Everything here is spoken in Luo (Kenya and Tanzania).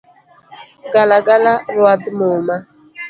Galagala ruadh muma